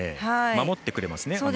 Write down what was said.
守ってくれますね。